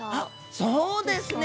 そうですね！